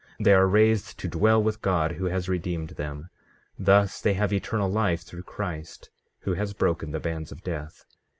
15:23 They are raised to dwell with God who has redeemed them; thus they have eternal life through Christ, who has broken the bands of death.